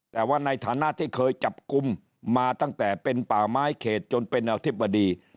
แต่ว่าในฐานะที่เคยจับกลุ่มมาตั้งแต่เป็นป่าไม้เขตจนเป็นอธิบดี